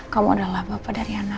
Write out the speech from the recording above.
kamu adalah bapak dari anak